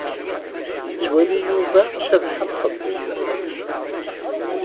Yettwali Yuba Cabḥa txeddem.